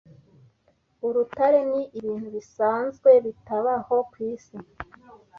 Urutare ni ibintu bisanzwe bitabaho kwisi